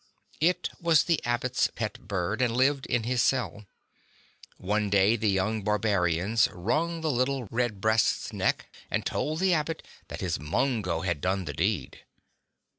It was the Abbot's pet bird, and lived in his cell. One day the young barbarians wrung the little redbreast's neck and told the Abbot that his Mungho had done the deed.